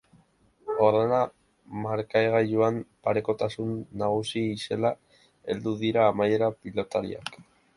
Horrela, markagailuan parekotasuna nagusi zela heldu dira amaierara pilotariak.